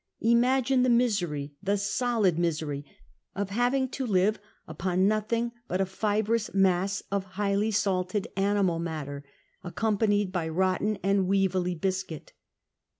Imagine the misery, the solid misery, of having to live upon nothing but a fibrous mass of highly salted animal matter, accompanied by rotten and weevily biscuit